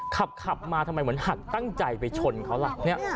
ขับมาทำไมเหมือนหักตั้งใจไปชนเขาล่ะ